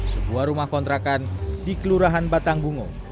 sebuah rumah kontrakan di kelurahan batangbungung